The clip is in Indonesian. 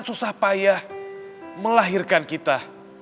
ibu yang susah payah melahirkan kita